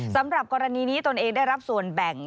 สำหรับกรณีนี้ตนเองได้รับส่วนแบ่ง